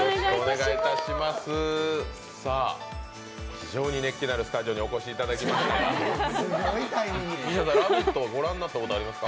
非常に熱気のあるスタジオにお越しいただきましたけど、「ラヴィット！」はご覧になったことはありますか？